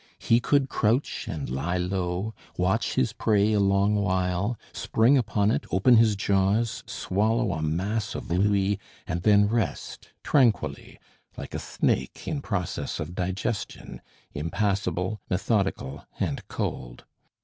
He could crouch and lie low, watch his prey a long while, spring upon it, open his jaws, swallow a mass of louis, and then rest tranquilly like a snake in process of digestion, impassible, methodical, and cold.